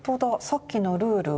さっきのルール。